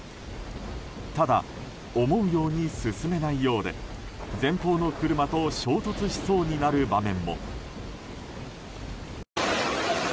ただ、思うように進めないようで前方の車と衝突しそうになる場面も。